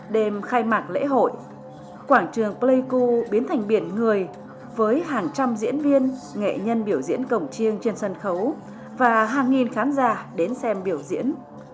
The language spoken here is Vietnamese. đêm khai mạc lễ hội quảng trường pleiku biến thành biển người với hàng trăm diễn viên nghệ nhân biểu diễn cổng chiêng trên sân khấu và hàng nghìn khán giả đến xem biểu diễn